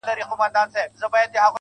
خو ما خو ګومان کاوه چې ته نیکمرغه یې